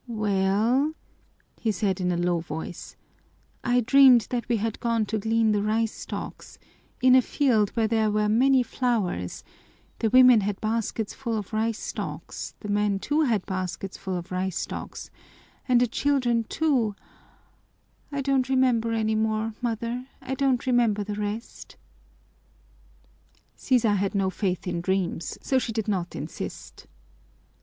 "Well," he said in a low voice, "I dreamed that we had gone to glean the rice stalks in a field where there were many flowers the women had baskets full of rice stalks the men too had baskets full of rice stalks and the children too I don't remember any more, mother, I don't remember the rest." Sisa had no faith in dreams, so she did not insist.